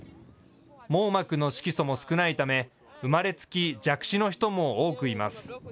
網膜の色素も少ないため、生まれつき弱視の人も多くいます。